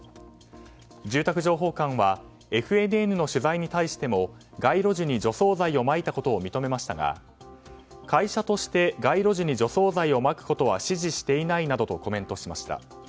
住宅情報館はＦＮＮの取材に対しても街路樹に除草剤をまいたことを認めましたが会社として街路樹に除草剤をまくことは指示していないなどとコメントしました。